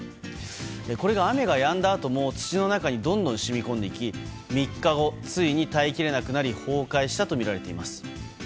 これが雨がやんだあとも土の中にどんどん染み込んでいき３日後、ついに耐え切れなくなり崩壊したとみられています。